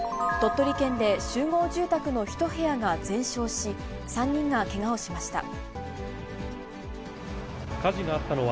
鳥取県で集合住宅の１部屋が全焼し、３人がけがをしました。